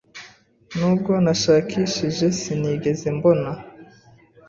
Nubwo nashakishije, sinigeze mbona.